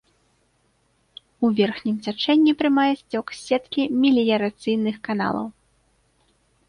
У верхнім цячэнні прымае сцёк з сеткі меліярацыйных каналаў.